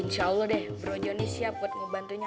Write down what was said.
insya allah deh bro johnny siap buat ngebantunya